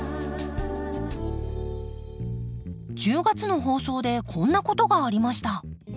１０月の放送でこんなことがありました。